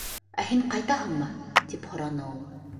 Ә һин ҡайтаһыңмы? — тип һораны ул.